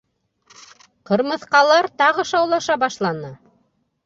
Ҡырмыҫҡалар тагы шаулаша башланы.